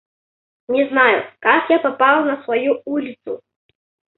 Не знаю, как я попал на свою улицу.